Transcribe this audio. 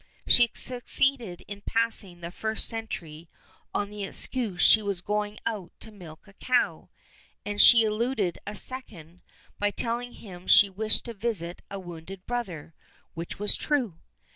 She succeeded in passing the first sentry on the excuse she was going out to milk a cow, and she eluded a second by telling him she wished to visit a wounded brother, which was true.